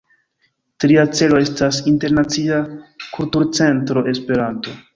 Tria celo estas Internacia Kulturcentro Esperanto.